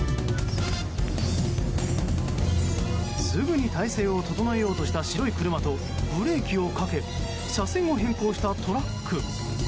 すぐに態勢を整えようとした白い車とブレーキをかけ車線を変更したトラック。